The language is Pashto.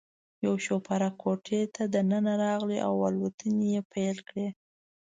یو شوپرک کوټې ته دننه راغلی او الوتنې یې پیل کړې.